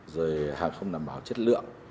rồi hàng không đảm bảo chất lượng